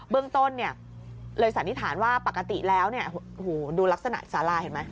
เบื้องต้นเนี่ยเลยสันนิษฐานว่าปกติแล้วเนี่ยโหดูลักษณะสาลายเห็นมั้ย